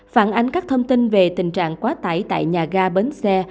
phản ánh các thông tin về tình trạng quá tải tại nhà ga bến xe